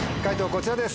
こちらです。